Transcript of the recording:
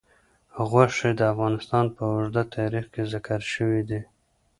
غوښې د افغانستان په اوږده تاریخ کې ذکر شوي دي.